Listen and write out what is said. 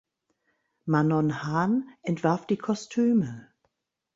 Manon Hahn entwarf die Kostüme.